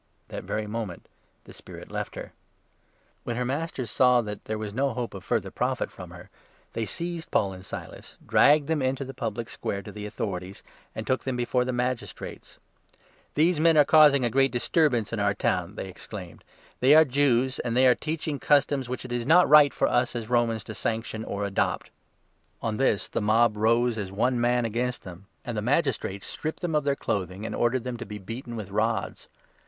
That very moment the spirit left her. When her 19 masters saw that there was no hope of further profit from her, they seized Paul and Silas, dragged them into the public square to the authorities, and took them before the Magistrates. 20 "These men are causing a great disturbance in our town," they complained; "they are Jews, and they are teaching 21 customs which it is not right for us, as Romans, to sanction or adopt." On this the mob rose as one man against them, and the 22 246 THE ACTS, 16 17. Magistrates stripped them of their clothing and ordered them to be beaten with rods.